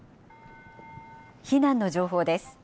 避難の情報です。